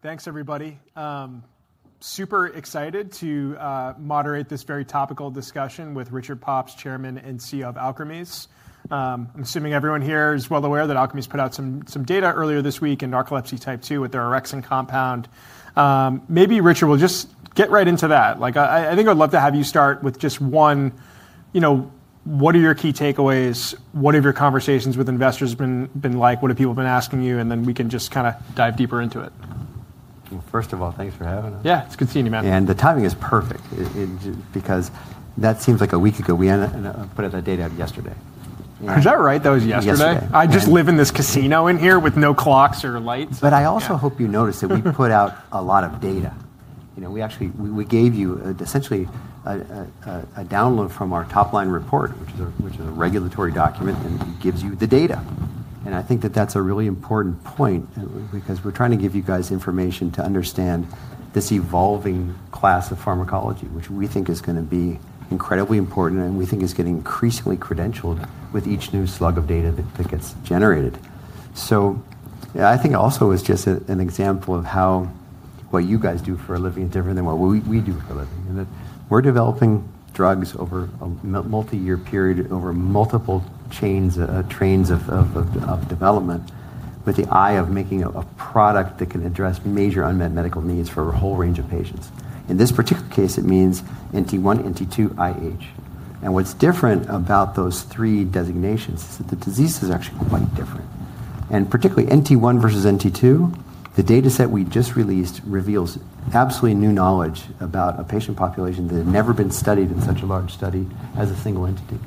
Thanks, everybody. Super excited to moderate this very topical discussion with Richard Pops, Chairman and CEO of Alkermes. I'm assuming everyone here is well aware that Alkermes put out some data earlier this week in narcolepsy type 2 with the orexin compound. Maybe Richard, we'll just get right into that. I think I'd love to have you start with just one, what are your key takeaways? What have your conversations with investors been like? What have people been asking you? Then we can just kind of dive deeper into it. First of all, thanks for having us. Yeah, it's good seeing you, Matt. The timing is perfect because that seems like a week ago we put out that data yesterday. Is that right? That was yesterday? Yesterday. I just live in this casino in here with no clocks or lights. I also hope you notice that we put out a lot of data. We gave you essentially a download from our top-line report, which is a regulatory document that gives you the data. I think that that's a really important point because we're trying to give you guys information to understand this evolving class of pharmacology, which we think is going to be incredibly important and we think is getting increasingly credentialed with each new slug of data that gets generated. I think also it's just an example of how what you guys do for a living is different than what we do for a living. We're developing drugs over a multi-year period, over multiple trains of development, with the eye of making a product that can address major unmet medical needs for a whole range of patients. In this particular case, it means NT1, NT2, IH. What's different about those three designations is that the disease is actually quite different. Particularly NT1 versus NT2, the data set we just released reveals absolutely new knowledge about a patient population that had never been studied in such a large study as a single entity.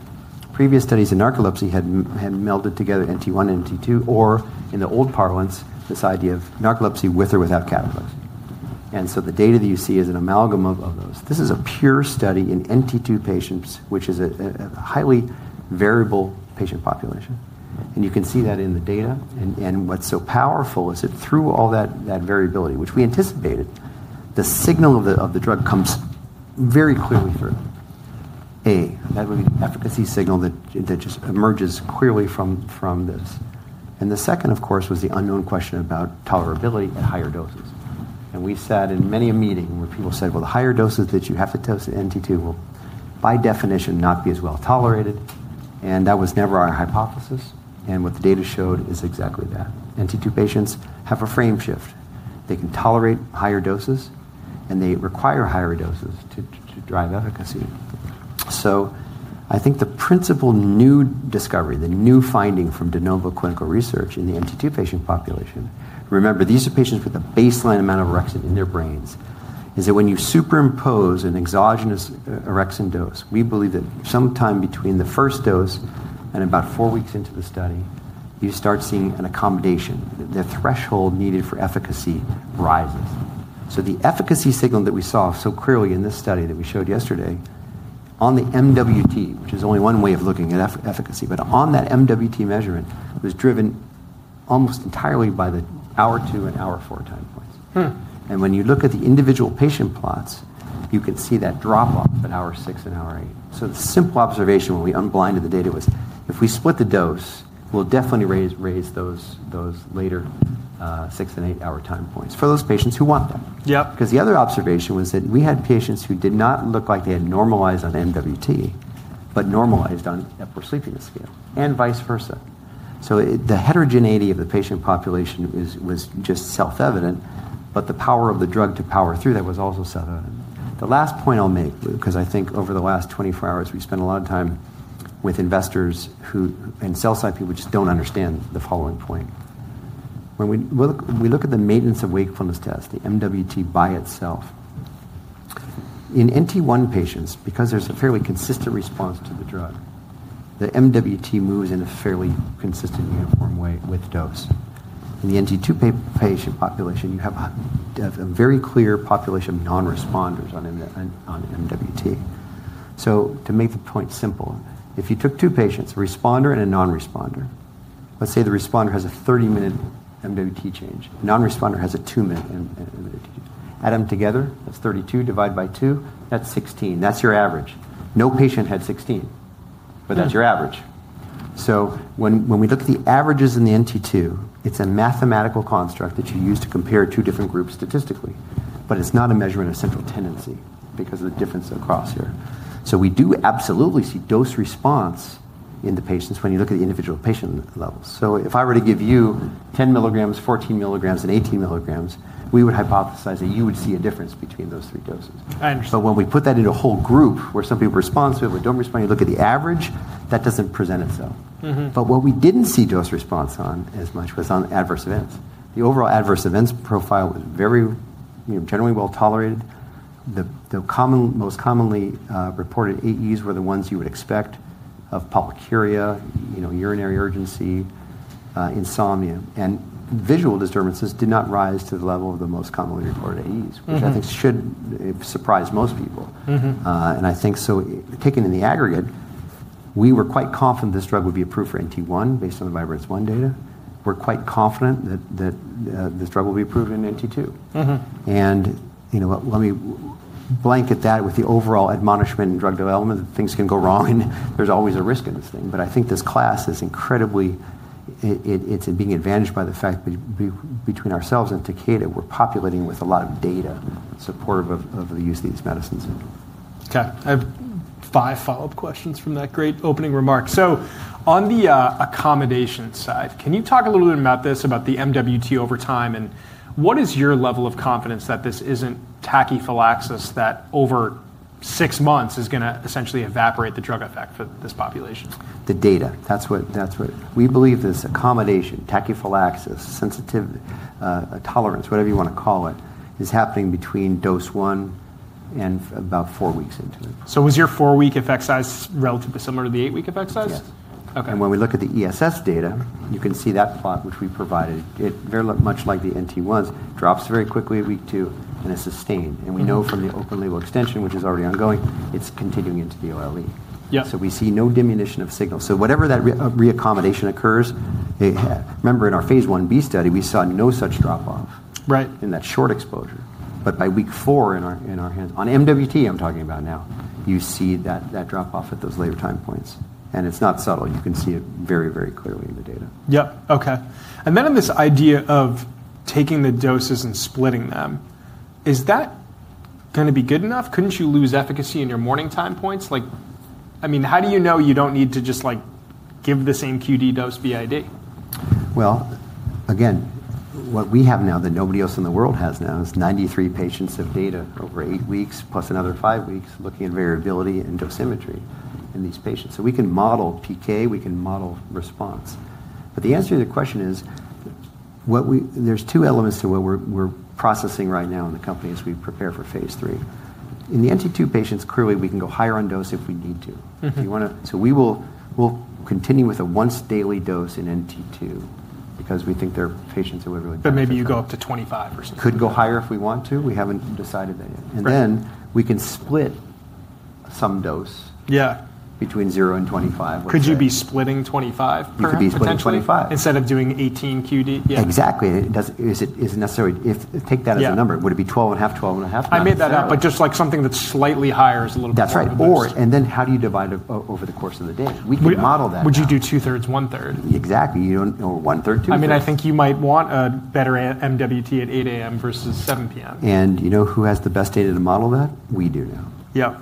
Previous studies in narcolepsy had melded together NT1 and NT2, or in the old parlance, this idea of narcolepsy with or without cataplexy. The data that you see is an amalgam of those. This is a pure study in NT2 patients, which is a highly variable patient population. You can see that in the data. What's so powerful is that through all that variability, which we anticipated, the signal of the drug comes very clearly through. A, that would be the efficacy signal that just emerges clearly from this. The second, of course, was the unknown question about tolerability at higher doses. We sat in many a meeting where people said the higher doses that you have to dose NT2 will by definition not be as well tolerated. That was never our hypothesis. What the data showed is exactly that. NT2 patients have a frame shift. They can tolerate higher doses, and they require higher doses to drive efficacy. I think the principal new discovery, the new finding from de novo clinical research in the NT2 patient population—remember, these are patients with a baseline amount of orexin in their brains—is that when you superimpose an exogenous orexin dose, we believe that sometime between the first dose and about four weeks into the study, you start seeing an accommodation. The threshold needed for efficacy rises. The efficacy signal that we saw so clearly in this study that we showed yesterday on the MWT, which is only one way of looking at efficacy, but on that MWT measurement was driven almost entirely by the hour two and hour four time points. When you look at the individual patient plots, you can see that drop off at hour six and hour eight. The simple observation when we unblinded the data was, if we split the dose, we'll definitely raise those later six and eight hour time points for those patients who want that. Yep. Because the other observation was that we had patients who did not look like they had normalized on MWT, but normalized on Epworth Sleepiness Scale, and vice versa. The heterogeneity of the patient population was just self-evident, but the power of the drug to power through that was also self-evident. The last point I'll make, because I think over the last 24 hours, we spent a lot of time with investors and salespeople who just don't understand the following point. When we look at the maintenance of wakefulness test, the MWT by itself, in NT1 patients, because there's a fairly consistent response to the drug, the MWT moves in a fairly consistent uniform way with dose. In the NT2 patient population, you have a very clear population of non-responders on MWT. To make the point simple, if you took two patients, a responder and a non-responder, let's say the responder has a 30-minute MWT change, non-responder has a 2-minute MWT change. Add them together, that's 32 ÷ 2, that's 16. That's your average. No patient had 16, but that's your average. When we look at the averages in the NT2, it's a mathematical construct that you use to compare two different groups statistically, but it's not a measurement of central tendency because of the difference across here. We do absolutely see dose response in the patients when you look at the individual patient levels. If I were to give you 10 mg, 14 mg, and 18 mg, we would hypothesize that you would see a difference between those three doses. I understand. When we put that into a whole group where some people respond, some people do not respond, you look at the average, that does not present itself. What we did not see dose response on as much was on adverse events. The overall adverse events profile was very generally well tolerated. The most commonly reported AEs were the ones you would expect of polyuria, urinary urgency, insomnia, and visual disturbances did not rise to the level of the most commonly reported AEs, which I think should surprise most people. I think so taken in the aggregate, we were quite confident this drug would be approved for NT1 based on the Vibrance One data. We are quite confident that this drug will be approved in NT2. Let me blanket that with the overall admonishment in drug development that things can go wrong and there is always a risk in this thing. I think this class is incredibly, it's being advantaged by the fact between ourselves and Takeda, we're populating with a lot of data supportive of the use of these medicines. Okay. I have five follow-up questions from that great opening remark. On the accommodation side, can you talk a little bit about this, about the MWT over time? What is your level of confidence that this isn't tachyphylaxis that over six months is going to essentially evaporate the drug effect for this population? The data. That's what we believe this accommodation, tachyphylaxis, sensitivity, tolerance, whatever you want to call it, is happening between dose one and about four weeks into it. Was your four-week effect size relatively similar to the eight-week effect size? Yes. When we look at the ESS data, you can see that plot, which we provided, it very much like the NT1s, drops very quickly at week two and is sustained. We know from the open label extension, which is already ongoing, it's continuing into the OLE. We see no diminution of signal. Whatever that reaccommodation occurs, remember in our phase I-B study, we saw no such drop-off in that short exposure. By week four in our hands, on MWT I'm talking about now, you see that drop-off at those later time points. It's not subtle. You can see it very, very clearly in the data. Yep. Okay. On this idea of taking the doses and splitting them, is that going to be good enough? Couldn't you lose efficacy in your morning time points? I mean, how do you know you don't need to just give the same QD dose BID? What we have now that nobody else in the world has now is 93 patients of data over eight weeks, plus another five weeks looking at variability and dosimetry in these patients. We can model PK, we can model response. The answer to the question is, there are two elements to what we're processing right now in the company as we prepare for phase three. In the NT2 patients, clearly we can go higher on dose if we need to. We will continue with a once daily dose in NT2 because we think they're patients who are really benefiting. Maybe you go up to 25 or something. Could go higher if we want to. We have not decided that yet. Then we can split some dose between 0 and 25. Could you be splitting 25? We could be splitting 25. Instead of doing 18 QD? Exactly. It isn't necessary. Take that as a number. Would it be 12 and a half, 12 and a half? I made that up, but just like something that's slightly higher is a little bit more efficacious. That's right. How do you divide over the course of the day? We can model that. Would you do 2/3, 1/3? Exactly. Or one-third, two-thirds. I mean, I think you might want a better MWT at 8:00 A.M. versus 7:00 P.M. You know who has the best data to model that? We do now. Yep. Yep.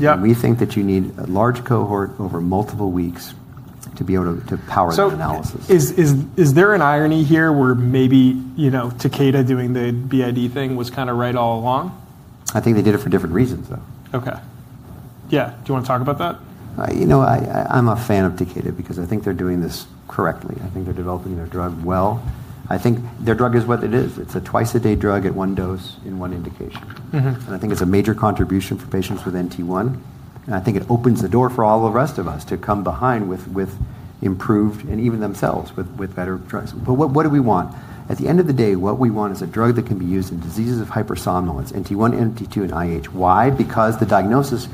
We think that you need a large cohort over multiple weeks to be able to power that analysis. Is there an irony here where maybe Takeda doing the BID thing was kind of right all along? I think they did it for different reasons, though. Okay. Yeah. Do you want to talk about that? You know, I'm a fan of Takeda because I think they're doing this correctly. I think they're developing their drug well. I think their drug is what it is. It's a twice-a-day drug at one dose in one indication. I think it's a major contribution for patients with NT1. I think it opens the door for all the rest of us to come behind with improved and even themselves with better drugs. What do we want? At the end of the day, what we want is a drug that can be used in diseases of hypersomnolence, NT1, NT2, and IH. Why? Because the diagnosis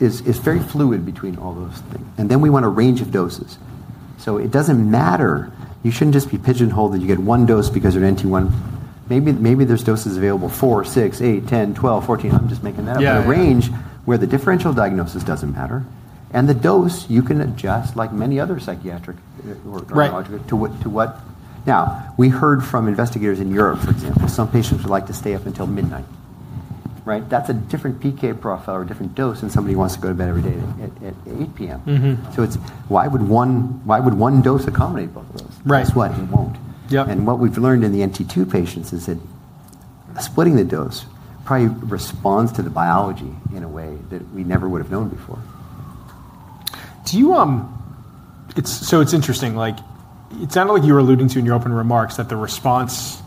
is very fluid between all those things. We want a range of doses. It doesn't matter. You shouldn't just be pigeonholed that you get one dose because you're NT1. Maybe there's doses available 4, 6, 8, 10, 12, 14. I'm just making that up. There's a range where the differential diagnosis doesn't matter. The dose, you can adjust like many other psychiatric or neurological. Right. Now, we heard from investigators in Europe, for example, some patients would like to stay up until midnight. Right? That's a different PK profile or a different dose than somebody who wants to go to bed every day at 8:00 P.M. It's, why would one dose accommodate both of those? Guess what? It won't. What we've learned in the NT2 patients is that splitting the dose probably responds to the biology in a way that we never would have known before. It's interesting. It sounded like you were alluding to in your open remarks that the response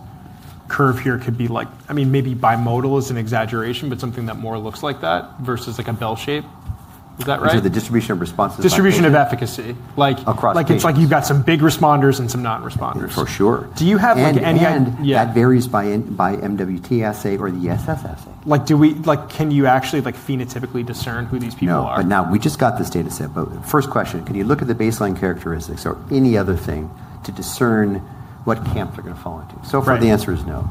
curve here could be like, I mean, maybe bimodal is an exaggeration, but something that more looks like that versus like a bell shape. Is that right? Is it the distribution of responses? Distribution of efficacy. Like, it's like you've got some big responders and some non-responders. For sure. Do you have any? That varies by MWT assay or the ESS assay. Can you actually phenotypically discern who these people are? Yeah. But now we just got this data set. First question, can you look at the baseline characteristics or any other thing to discern what camp they're going to fall into? So far, the answer is no.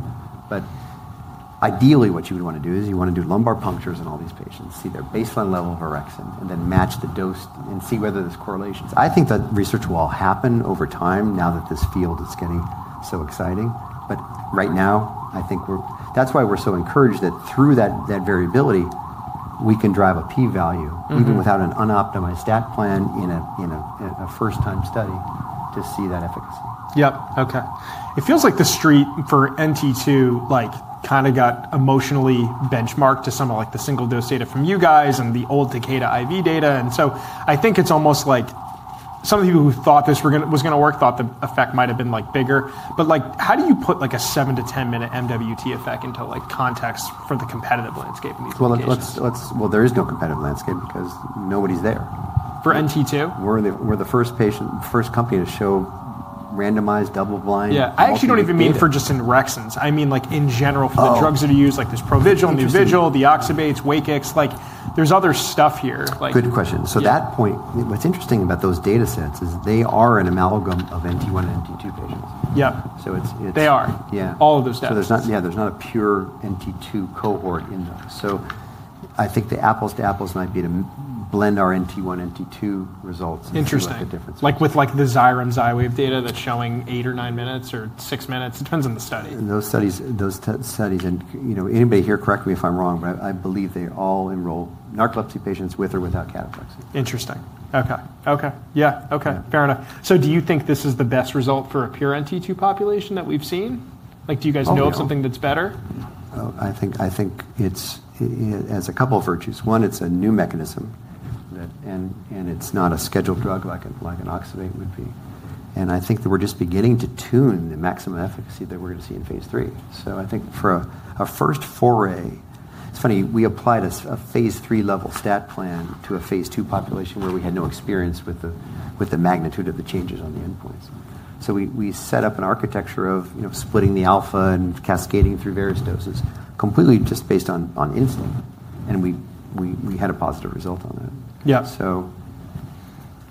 Ideally, what you would want to do is you want to do lumbar punctures in all these patients, see their baseline level of orexin, and then match the dose and see whether there's correlations. I think that research will all happen over time now that this field is getting so exciting. Right now, I think that's why we're so encouraged that through that variability, we can drive a P value even without an unoptimized stat plan in a first-time study to see that efficacy. Yep. Okay. It feels like the street for NT2 kind of got emotionally benchmarked to some of the single dose data from you guys and the old Takeda IV data. I think it's almost like some of the people who thought this was going to work thought the effect might have been bigger. How do you put a 7 minute-10 minute MWT effect into context for the competitive landscape in these patients? There is no competitive landscape because nobody's there. For NT2? We're the first patient, the first company to show randomized double-blind. Yeah. I actually don't even mean for just orexins. I mean in general for the drugs that are used, like there's PROVIGIL, NUVIGIL, XYREM, WAKIX. There's other stuff here. Good question. To that point, what's interesting about those data sets is they are an amalgam of NT1 and NT2 patients. Yep. They are. All of those data. Yeah. There's not a pure NT2 cohort in those. I think the apples to apples might be to blend our NT1, NT2 results and show the difference. Interesting. Like with the XYREM, XYWAV data that's showing eight or nine minutes or six minutes. It depends on the study. Those studies, and anybody here, correct me if I'm wrong, but I believe they all enroll narcolepsy patients with or without cataplexy. Interesting. Okay. Okay. Yeah. Okay. Fair enough. Do you think this is the best result for a pure NT2 population that we've seen? Do you guys know of something that's better? I think it has a couple of virtues. One, it's a new mechanism, and it's not a scheduled drug like an oxybate would be. I think that we're just beginning to tune the maximum efficacy that we're going to see in phase three. For a first foray, it's funny, we applied a phase three level stat plan to a phase two population where we had no experience with the magnitude of the changes on the endpoints. We set up an architecture of splitting the alpha and cascading through various doses, completely just based on instinct. We had a positive result on that. Yep.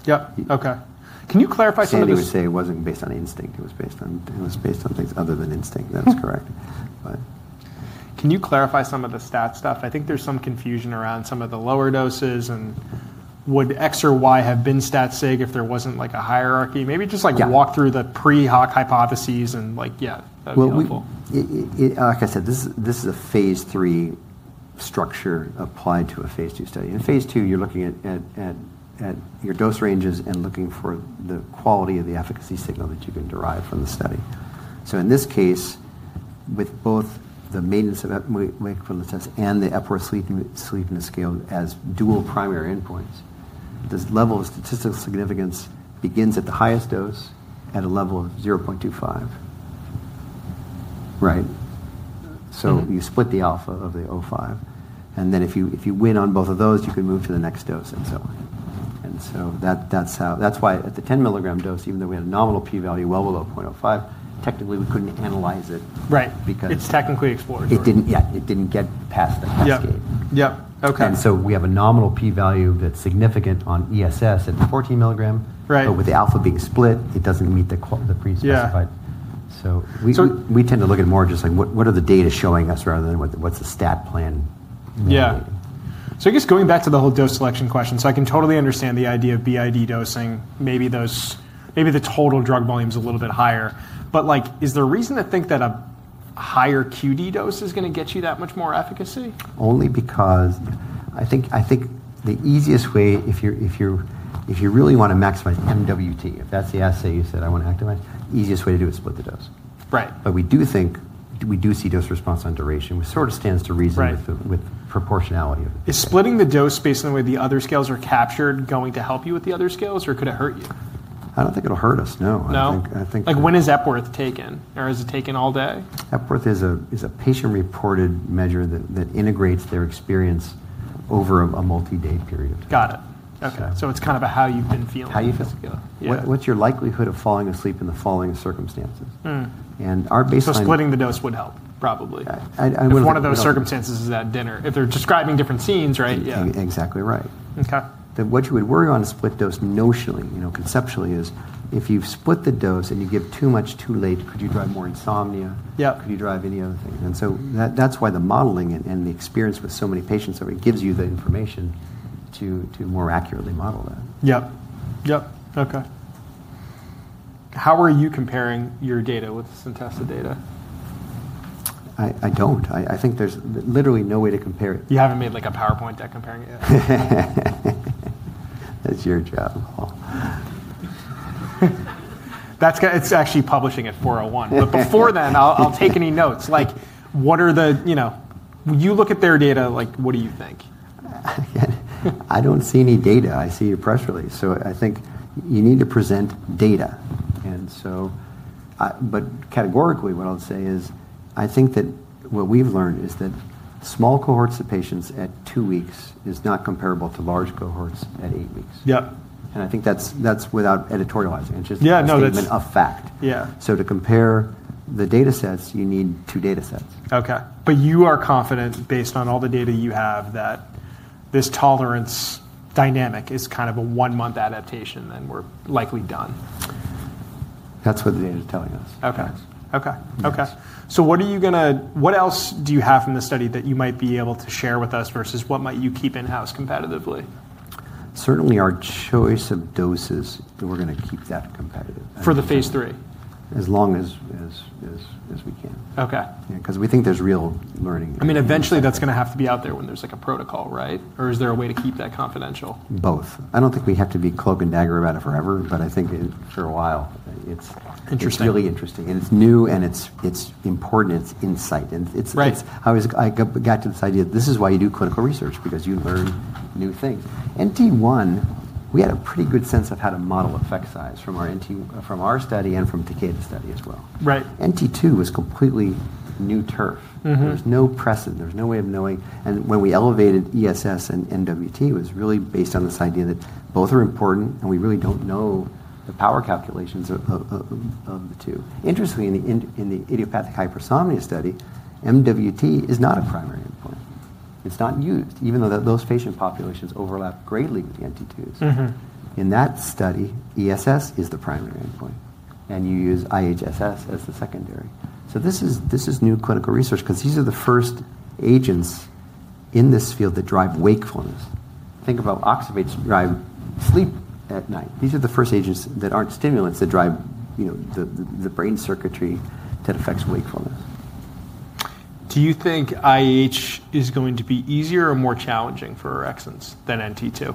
Yep. Okay. Can you clarify some of the? I was going to say it wasn't based on instinct. It was based on things other than instinct. That's correct. Can you clarify some of the stat stuff? I think there's some confusion around some of the lower doses. Would X or Y have been stat-sig if there was not a hierarchy? Maybe just walk through the pre-Hock hypotheses and yeah, that would be helpful. Like I said, this is a phase three structure applied to a phase II study. In phase two, you're looking at your dose ranges and looking for the quality of the efficacy signal that you can derive from the study. In this case, with both the Maintenance of Wakefulness Test and the Epworth Sleepiness Scale as dual primary endpoints, this level of statistical significance begins at the highest dose at a level of 0.25. Right? You split the alpha of the 0.5. If you win on both of those, you can move to the next dose and so on. That's why at the 10 mg dose, even though we had a nominal P value well below 0.05, technically we couldn't analyze it because. It's technically exploratory. It didn't get past the cascade. We have a nominal P value that's significant on ESS at the 14 mg, but with the alpha being split, it doesn't meet the prespecified. We tend to look at more just like what are the data showing us rather than what's the stat plan. Yeah. I guess going back to the whole dose selection question, I can totally understand the idea of BID dosing. Maybe the total drug volume is a little bit higher. Is there a reason to think that a higher QD dose is going to get you that much more efficacy? Only because I think the easiest way, if you really want to maximize MWT, if that's the assay you said I want to active on, the easiest way to do it is split the dose. We do think we do see dose response on duration, which sort of stands to reason with proportionality of it. Is splitting the dose based on the way the other scales are captured going to help you with the other scales, or could it hurt you? I don't think it'll hurt us, no. I think. No? Like when is Epworth taken? Or is it taken all day? Epworth is a patient-reported measure that integrates their experience over a multi-day period of time. Got it. Okay. So it's kind of how you've been feeling. How you feel. What is your likelihood of falling asleep in the following circumstances? And our baseline. Splitting the dose would help, probably. If one of those circumstances is that dinner. If they're describing different scenes, right? Exactly right. What you would worry on a split dose notionally, conceptually, is if you have split the dose and you give too much too late, could you drive more insomnia? Could you drive any other thing? That is why the modeling and the experience with so many patients gives you the information to more accurately model that. Yep. Yep. Okay. How are you comparing your data with the Synthessa data? I don't. I think there's literally no way to compare it. You haven't made like a PowerPoint deck comparing it yet? That's your job. It's actually publishing at 4:01. Before then, I'll take any notes. Like what are the, you know, you look at their data, like what do you think? I don't see any data. I see your press release. I think you need to present data. What I'll say is I think that what we've learned is that small cohorts of patients at two weeks is not comparable to large cohorts at eight weeks. I think that's without editorializing. It's just a fact. To compare the data sets, you need two data sets. Okay. You are confident based on all the data you have that this tolerance dynamic is kind of a one-month adaptation, then we're likely done. That's what the data is telling us. Okay. Okay. So what are you going to, what else do you have from the study that you might be able to share with us versus what might you keep in-house competitively? Certainly our choice of doses, we're going to keep that competitive. For the phase three? As long as we can. Because we think there's real learning. I mean, eventually that's going to have to be out there when there's like a protocol, right? Or is there a way to keep that confidential? Both. I do not think we have to be cloak and dagger about it forever, but I think for a while, it is really interesting. It is new and it is important. It is insight. It is how I got to this idea that this is why you do clinical research, because you learn new things. NT1, we had a pretty good sense of how to model effect size from our study and from Takeda's study as well. NT2 was completely new turf. There was no precedent. There was no way of knowing. When we elevated ESS and MWT, it was really based on this idea that both are important and we really do not know the power calculations of the two. Interestingly, in the idiopathic hypersomnia study, MWT is not a primary endpoint. It is not used, even though those patient populations overlap greatly with the NT2s. In that study, ESS is the primary endpoint. You use IHSS as the secondary. This is new clinical research because these are the first agents in this field that drive wakefulness. Think about oxybates drive sleep at night. These are the first agents that are not stimulants that drive the brain circuitry that affects wakefulness. Do you think IH is going to be easier or more challenging for orexins than NT2?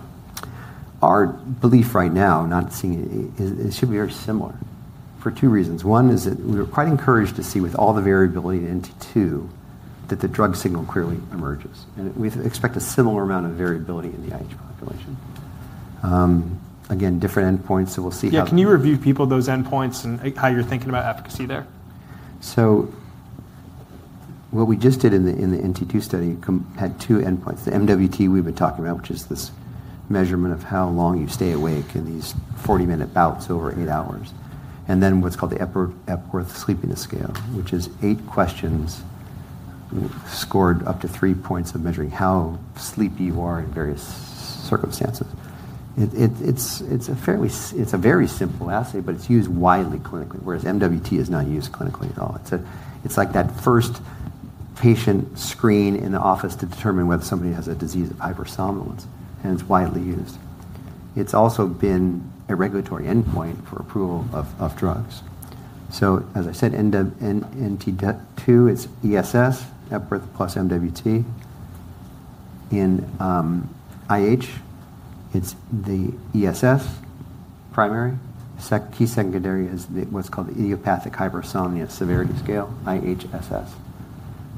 Our belief right now, not seeing it, it should be very similar for two reasons. One is that we were quite encouraged to see with all the variability in NT2 that the drug signal clearly emerges. We expect a similar amount of variability in the IH population. Again, different endpoints, so we'll see how. Yeah. Can you review people those endpoints and how you're thinking about efficacy there? What we just did in the NT2 study had two endpoints. The MWT we've been talking about, which is this measurement of how long you stay awake in these 40-minute bouts over eight hours. Then what's called the Epworth Sleepiness Scale, which is eight questions scored up to three points of measuring how sleepy you are in various circumstances. It's a very simple assay, but it's used widely clinically, whereas MWT is not used clinically at all. It's like that first patient screen in the office to determine whether somebody has a disease of hypersomnolence, and it's widely used. It's also been a regulatory endpoint for approval of drugs. As I said, NT2, it's ESS, Epworth plus MWT. In IH, it's the ESS primary. Key secondary is what's called the Idiopathic Hypersomnia Severity Scale, IHSS.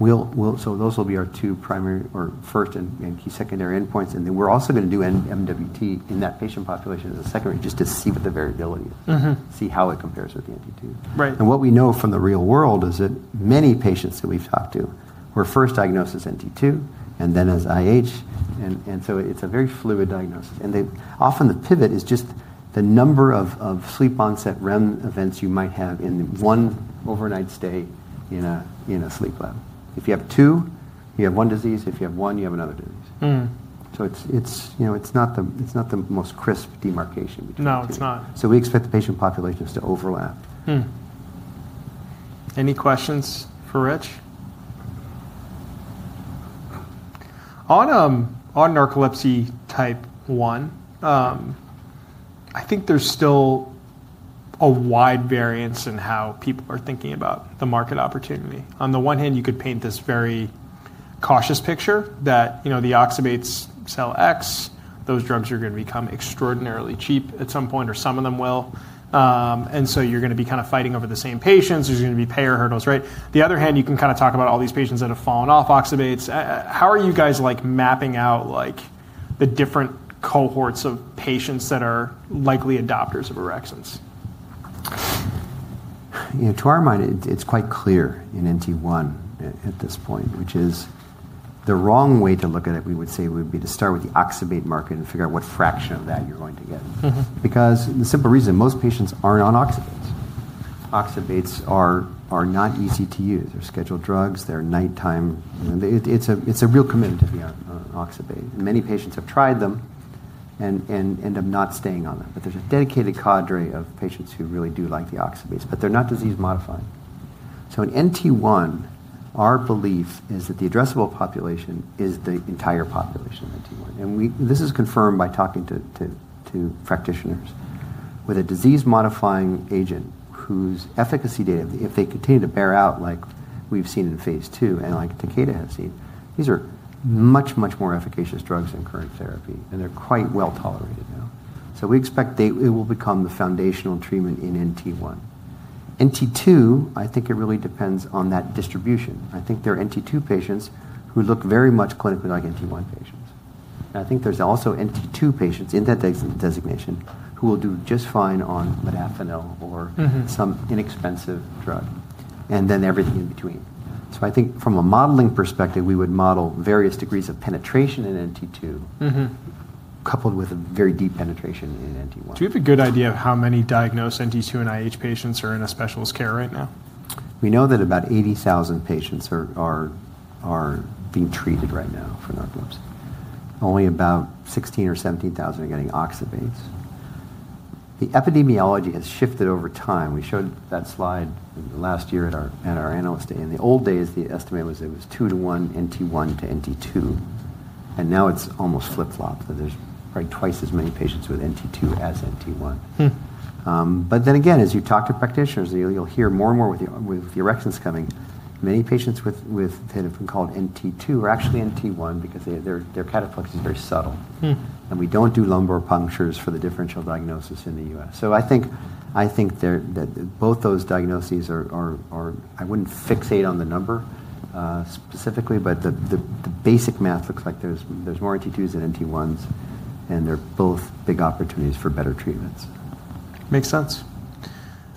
Those will be our two primary or first and key secondary endpoints. We are also going to do MWT in that patient population as a secondary just to see what the variability is, see how it compares with the NT2. What we know from the real world is that many patients that we've talked to were first diagnosed as NT2 and then as IH. It is a very fluid diagnosis. Often the pivot is just the number of sleep onset REM events you might have in one overnight stay in a sleep lab. If you have two, you have one disease. If you have one, you have another disease. It is not the most crisp demarcation between them. No, it's not. We expect the patient population is to overlap. Any questions for Rich? On narcolepsy type 1, I think there's still a wide variance in how people are thinking about the market opportunity. On the one hand, you could paint this very cautious picture that the oxybates sell X. Those drugs are going to become extraordinarily cheap at some point, or some of them will. And so you're going to be kind of fighting over the same patients. There's going to be payer hurdles, right? The other hand, you can kind of talk about all these patients that have fallen off oxybates. How are you guys mapping out the different cohorts of patients that are likely adopters of orexins? To our mind, it's quite clear in NT1 at this point, which is the wrong way to look at it, we would say would be to start with the oxybate market and figure out what fraction of that you're going to get. The simple reason is most patients aren't on oxybates. Oxybates are not easy to use. They're scheduled drugs. They're nighttime. It's a real commitment to be on oxybate. Many patients have tried them and end up not staying on them. There is a dedicated cadre of patients who really do like the oxybates, but they're not disease modifying. In NT1, our belief is that the addressable population is the entire population of NT1. This is confirmed by talking to practitioners. With a disease modifying agent whose efficacy data, if they continue to bear out like we've seen in phase two and like Takeda has seen, these are much, much more efficacious drugs than current therapy. They're quite well tolerated now. We expect it will become the foundational treatment in NT1. NT2, I think it really depends on that distribution. I think there are NT2 patients who look very much clinically like NT1 patients. I think there's also NT2 patients in that designation who will do just fine on modafinil or some inexpensive drug. Then everything in between. I think from a modeling perspective, we would model various degrees of penetration in NT2 coupled with a very deep penetration in NT1. Do you have a good idea of how many diagnosed NT2 and IH patients are in a specialist care right now? We know that about 80,000 patients are being treated right now for narcolepsy. Only about 16 or 17,000 are getting oxybates. The epidemiology has shifted over time. We showed that slide last year at our analyst day. In the old days, the estimate was it was two to one NT1 to NT2. Now it is almost flip-flopped. There is probably twice as many patients with NT2 as NT1. As you talk to practitioners, you will hear more and more with the orexins coming, many patients with what have been called NT2 are actually NT1 because their cataplexy is very subtle. We do not do lumbar punctures for the differential diagnosis in the U.S. I think both those diagnoses are, I would not fixate on the number specifically, but the basic math looks like there are more NT2s than NT1s. They are both big opportunities for better treatments. Makes sense.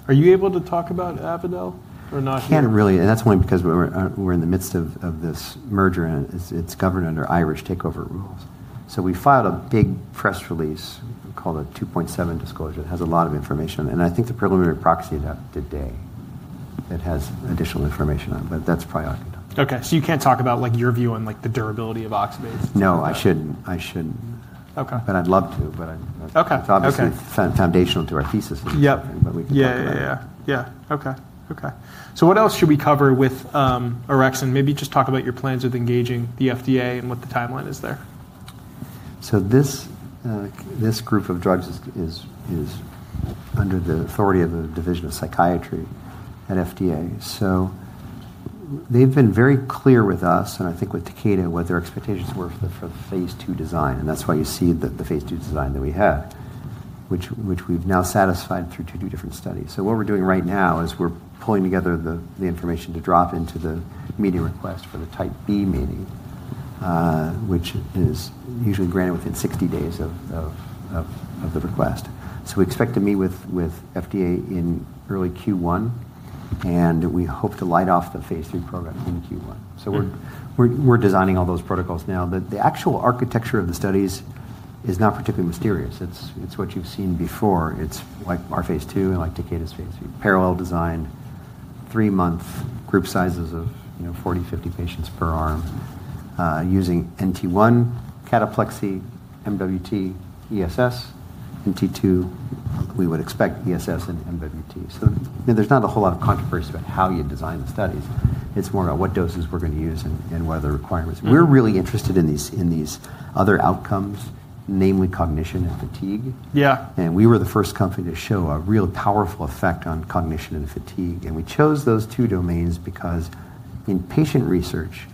Are you able to talk about Avadel or not yet? Can't really. That is only because we're in the midst of this merger. It is governed under Irish takeover rules. We filed a big press release called a 2.7 disclosure. It has a lot of information. I think the preliminary proxy is out today that has additional information on it. That is priority to us. Okay. So you can't talk about your view on the durability of oxybates? No, I shouldn't. I shouldn't. But I'd love to. But it's obviously foundational to our thesis. But we can talk about it. Yeah. Yeah. Yeah. Okay. Okay. So what else should we cover with alixorexton? Maybe just talk about your plans with engaging the FDA and what the timeline is there. This group of drugs is under the authority of the Division of Psychiatry at FDA. They have been very clear with us and I think with Takeda what their expectations were for the phase two design. That is why you see the phase two design that we have, which we have now satisfied through two different studies. What we are doing right now is pulling together the information to drop into the meeting request for the type B meeting, which is usually granted within 60 days of the request. We expect to meet with FDA in early Q1. We hope to light off the phase three program in Q1. We are designing all those protocols now. The actual architecture of the studies is not particularly mysterious. It is what you have seen before. It is like our phase two and like Takeda's phase two. Parallel design, three-month group sizes of 40, 50 patients per arm using NT1, cataplexy, MWT, ESS, NT2. We would expect ESS and MWT. There is not a whole lot of controversy about how you design the studies. It is more about what doses we are going to use and what are the requirements. We are really interested in these other outcomes, namely cognition and fatigue. We were the first company to show a real powerful effect on cognition and fatigue. We chose those two domains because in patient research,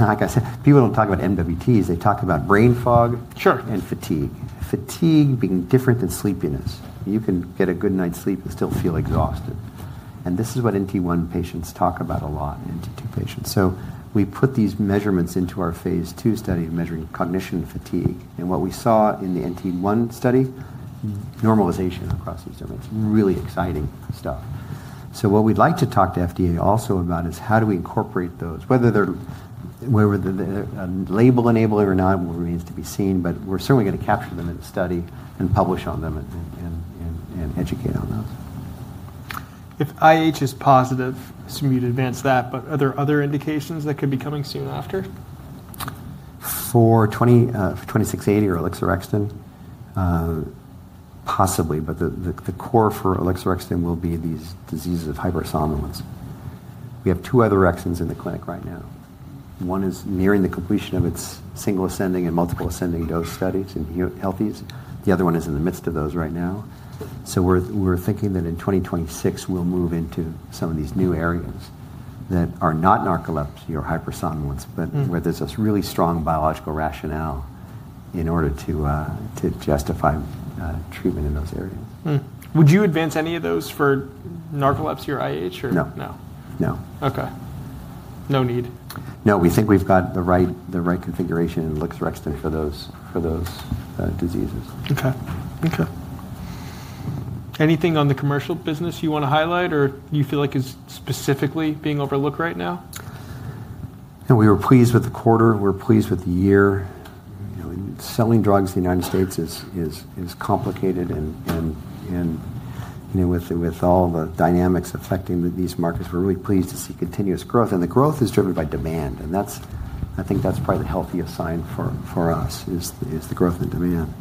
like I said, people do not talk about MWTs. They talk about brain fog and fatigue. Fatigue being different than sleepiness. You can get a good night's sleep and still feel exhausted. This is what NT1 patients talk about a lot and NT2 patients. We put these measurements into our phase two study of measuring cognition and fatigue. What we saw in the NT1 study, normalization across these domains. Really exciting stuff. What we'd like to talk to FDA also about is how do we incorporate those. Whether they're label enabling or not remains to be seen. We're certainly going to capture them in the study and publish on them and educate on those. If IH is positive, assuming you'd advance that, but are there other indications that could be coming soon after? For 2680 or alixorexton, possibly. The core for alixorexton will be these diseases of hypersomnolence. We have two other rexins in the clinic right now. One is nearing the completion of its single ascending and multiple ascending dose studies in healthies. The other one is in the midst of those right now. We are thinking that in 2026 we will move into some of these new areas that are not narcolepsy or hypersomnolence, but where there is a really strong biological rationale in order to justify treatment in those areas. Would you advance any of those for narcolepsy or IH or no? No. No. Okay. No need. No, we think we've got the right configuration in alixorexton for those diseases. Okay. Okay. Anything on the commercial business you want to highlight or you feel like is specifically being overlooked right now? We were pleased with the quarter. We are pleased with the year. Selling drugs in the U.S. is complicated. With all the dynamics affecting these markets, we are really pleased to see continuous growth. The growth is driven by demand. I think that is probably the healthiest sign for us, the growth in demand.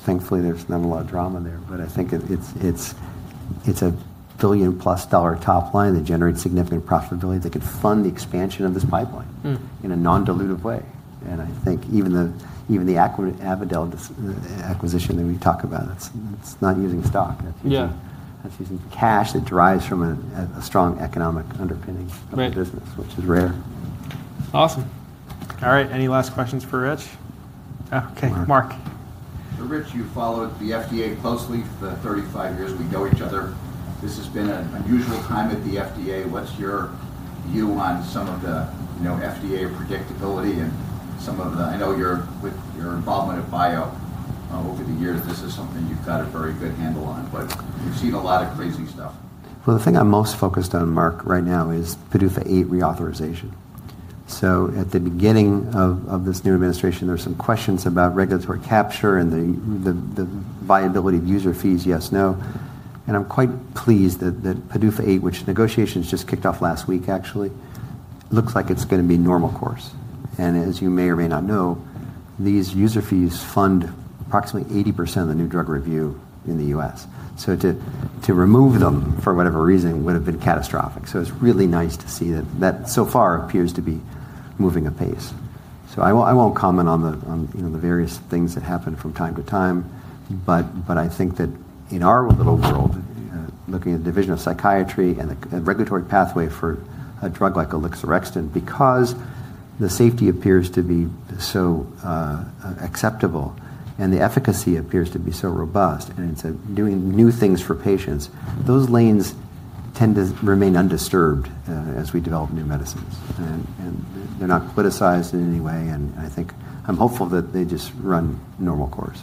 Thankfully, there is not a lot of drama there. I think it is a billion-plus dollar top line that generates significant profitability that could fund the expansion of this pipeline in a non-dilutive way. I think even the Avadel acquisition that we talk about, it is not using stock. That is using cash that derives from a strong economic underpinning of the business, which is rare. Awesome. All right. Any last questions for Rich? Okay. Mark. Rich, you followed the FDA closely for 35 years. We know each other. This has been an unusual time at the FDA. What's your view on some of the FDA predictability and some of the, I know your involvement in bio over the years, this is something you've got a very good handle on. You've seen a lot of crazy stuff. The thing I'm most focused on, Mark, right now is PDUFA 8 reauthorization. At the beginning of this new administration, there were some questions about regulatory capture and the viability of user fees, yes, no. I'm quite pleased that PDUFA 8, which negotiations just kicked off last week actually, looks like it's going to be normal course. As you may or may not know, these user fees fund approximately 80% of the new drug review in the U.S. To remove them for whatever reason would have been catastrophic. It's really nice to see that so far appears to be moving a pace. I won't comment on the various things that happen from time to time. I think that in our little world, looking at the Division of Psychiatry and the regulatory pathway for a drug like alixorexton, because the safety appears to be so acceptable and the efficacy appears to be so robust and it's doing new things for patients, those lanes tend to remain undisturbed as we develop new medicines. They're not politicized in any way. I think I'm hopeful that they just run normal course.